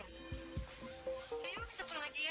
udah yuk kita pulang aja ya